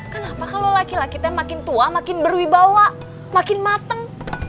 kenapa kalau laki lakinya makin tua makin berwibawa makin mateng